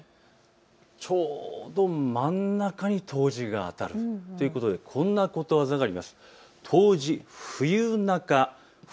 ちょうど真ん中に冬至があるということでこんなことわざがあります。